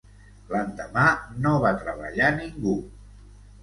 L'endemà no va treballar ningú.